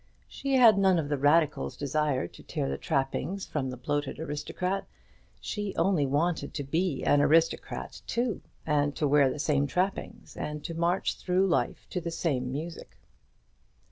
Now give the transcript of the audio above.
She had none of the radical's desire to tear the trappings from the bloated aristocrat; she only wanted to be an aristocrat too, and to wear the same trappings, and to march through life to the same music.